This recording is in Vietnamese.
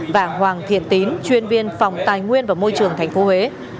và hoàng thiện tín chuyên viên phòng tài nguyên và môi trường tp huế